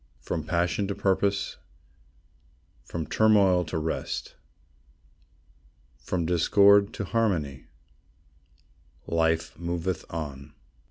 From passion to purpose, From turmoil to rest, From discord to harmony, Life moveth on.